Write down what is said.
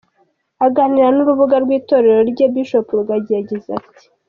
Aganira n'urubuga rw'itorero rye, Bishop Rugagi yagize ati: .